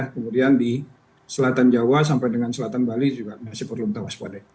kemudian di selatan jawa sampai dengan selatan bali juga masih perlu kita waspadai